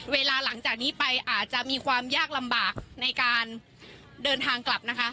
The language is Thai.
หลังจากนี้ไปอาจจะมีความยากลำบากในการเดินทางกลับนะคะ